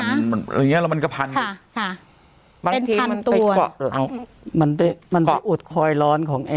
อะไรอย่างเงี้ยแล้วมันก็พันค่ะค่ะเป็นพันตัวมันไปมันไปอุดคอยร้อนของแอร์